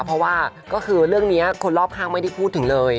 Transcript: พอว่าเรื่องนี้คนรอบข้างไม่ได้พูดถึงเลย